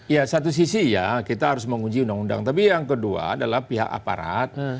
ya satu sisi ya kita harus menguji undang undang tapi yang kedua adalah pihak aparat